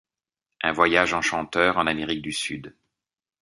Un voyage enchanteur en Amérique du Sud.